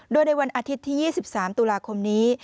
โดยในวันอาทิตย์ที่๒๓ตุลาคมนี้